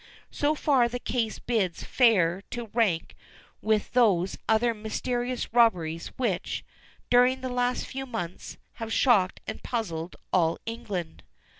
So far the case bids fair to rank with those other mysterious robberies which, during the last few months, have shocked and puzzled all England."